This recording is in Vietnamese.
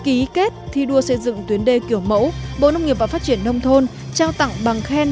ký kết thi đua xây dựng tuyến đê kiểu mẫu bộ nông nghiệp và phát triển nông thôn trao tặng bằng khen